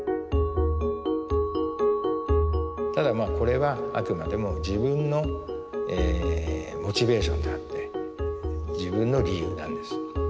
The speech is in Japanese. ただこれはあくまでも自分のモチベーションであって自分の理由なんです。